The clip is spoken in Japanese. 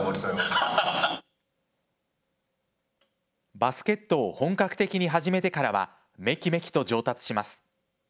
バスケットを本格的に始めてからはめきめきと上達します。